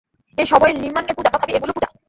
এ-সবই নিম্নাঙ্গের পূজা, তথাপি এগুলি পূজা।